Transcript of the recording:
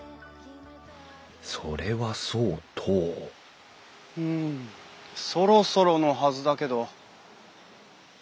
それはそうとうんそろそろのはずだけど。